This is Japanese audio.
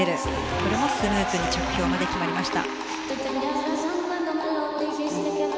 これもスムーズに着氷まで決まりました。